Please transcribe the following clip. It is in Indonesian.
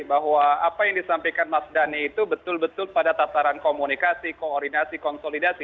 bahwa apa yang disampaikan mas dhani itu betul betul pada tataran komunikasi koordinasi konsolidasi